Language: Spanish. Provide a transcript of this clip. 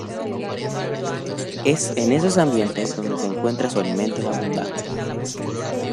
Es en esos ambientes donde encuentra su alimento en abundancia.